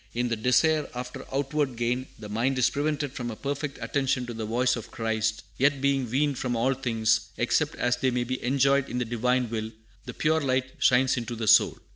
In the desire after outward gain the mind is prevented from a perfect attention to the voice of Christ; yet being weaned from all things, except as they may be enjoyed in the Divine will, the pure light shines into the soul.